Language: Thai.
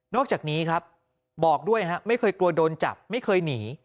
อกจากนี้ครับบอกด้วยไม่เคยกลัวโดนจับไม่เคยหนี